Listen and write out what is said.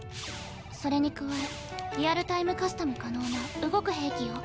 それに加えリアルタイムカスタム可能な動く兵器よ。